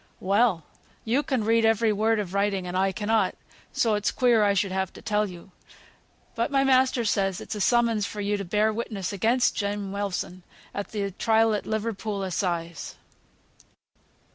"Well! yo can read word of writing and I cannot, so it's queer I should have to tell you. But my master says it's a summons for yo to bear witness again Jem Wilson, at th' trial at Liverpool Assize."